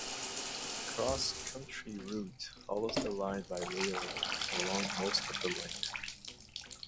The Cross Country Route follows the line by railway along most of the length.